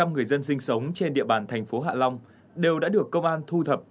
một mươi người dân sinh sống trên địa bàn thành phố hạ long đều đã được công an thu thập